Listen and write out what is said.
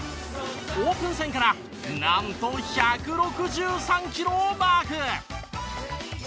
オープン戦からなんと１６３キロをマーク。